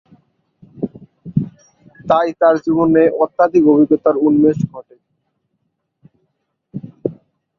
তাই তার জীবনে আধ্যাত্মিক অভিজ্ঞতার উন্মেষ ঘটে।